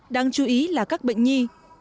đáng chú ý là các bệnh nhi